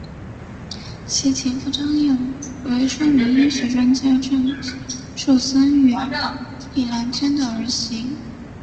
其情妇张琰为著名医学专家郑树森与李兰娟的儿媳。